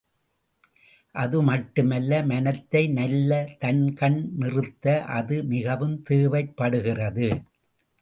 அது மட்டுமல்ல மனத்தை நல்லதன்கண் நிறுத்த அது மிகவும் தேவைப்படுகிறது.